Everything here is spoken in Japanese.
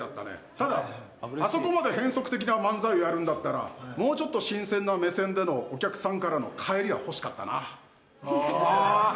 ただ、あそこまで変則的な漫才をやるんだったらもうちょっと新鮮な目線でのお客さんからの返りが欲しかったな。